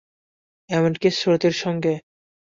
এমনকি শ্রুতির সঙ্গে?